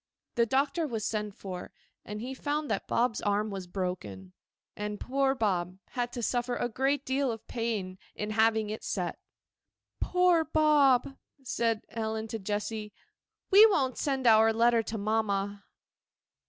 The doctor was sent for, and he found that Bob's arm was broken; and poor Bob had to suffer a great deal of pain in having it set. 'Poor Bob!' said Ellen to Jessy; 'we won't send our letter to mamma.